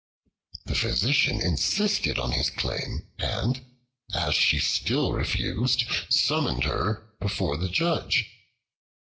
The Physician insisted on his claim, and, as she still refused, summoned her before the Judge.